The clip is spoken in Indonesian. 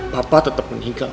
papa tetep meninggalkan